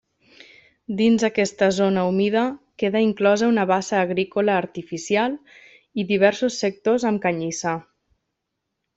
Dins aquesta zona humida queda inclosa una bassa agrícola artificial i diversos sectors amb canyissar.